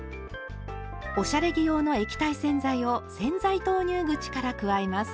おしゃれ着用の液体洗剤を洗剤投入口から加えます。